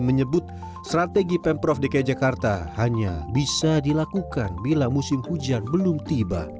menyebut strategi pemprov dki jakarta hanya bisa dilakukan bila musim hujan belum tiba